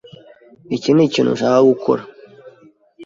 Iki nikintu nshaka gukora.